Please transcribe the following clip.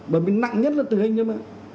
bởi vì nặng nhất là tự hình thôi mà